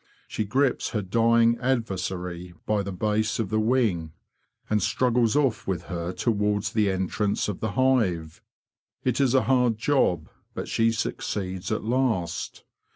She grips her dying adversary by the base of the wing, and struggles off with her towards the entrance of the hive. It isa hard job, but she succeeds at last.